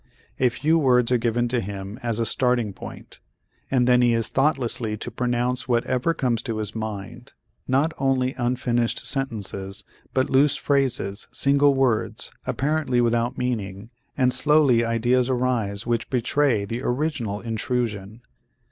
A few words are given to him as a starting point and then he is thoughtlessly to pronounce whatever comes to his mind, not only unfinished sentences but loose phrases, single words, apparently without meaning and slowly ideas arise which betray the original intrusion.